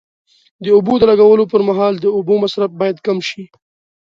د اوبو د لګولو پر مهال د اوبو مصرف باید کم شي.